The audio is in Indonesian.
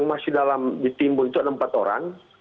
masih dalam ditimbun itu ada empat orang